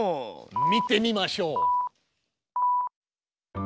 見てみましょう！